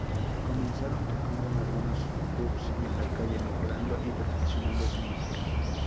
Comenzaron tocando en algunos pubs y en la calle mejorando y perfeccionando su música.